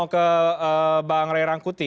ke bang rai rangkuti